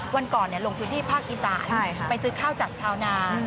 วันก่อนลงพื้นที่ภาคอีสานไปซื้อข้าวจากชาวนา